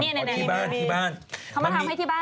นี่เขามาทำให้ที่บ้านใช่ไหม